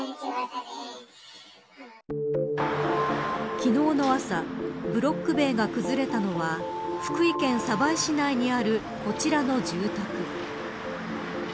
昨日の朝ブロック塀が崩れたのは福井県鯖江市内にあるこちらの住宅。